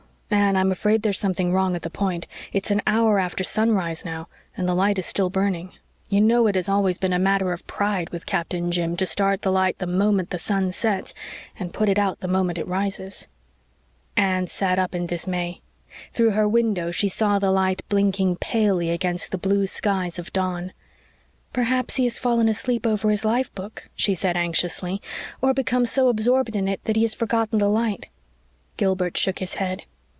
Anne, I'm afraid there's something wrong at the Point. It's an hour after sunrise now, and the light is still burning. You know it has always been a matter of pride with Captain Jim to start the light the moment the sun sets, and put it out the moment it rises." Anne sat up in dismay. Through her window she saw the light blinking palely against the blue skies of dawn. "Perhaps he has fallen asleep over his life book," she said anxiously, "or become so absorbed in it that he has forgotten the light." Gilbert shook his head.